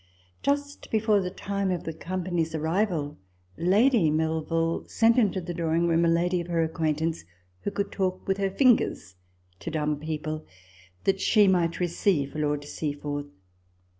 Just before the time of the company's arrival, Lady Melville sent into the drawing room a lady of her acquaintance, who could talk with her fingers to dumb people, that she might receive Lord Seaforth.